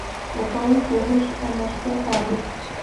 O pão em cubos é mais cantado.